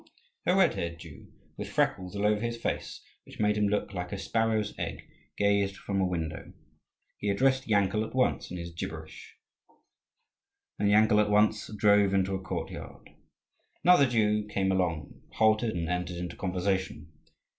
A red haired Jew, with freckles all over his face which made him look like a sparrow's egg, gazed from a window. He addressed Yankel at once in his gibberish, and Yankel at once drove into a court yard. Another Jew came along, halted, and entered into conversation.